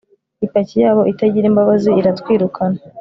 Ipaki yabo itagira imbabazi iratwirukana